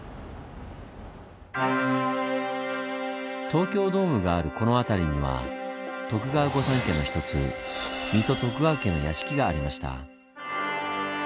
東京ドームがあるこの辺りには徳川御三家の一つ水戸徳川家の屋敷がありました。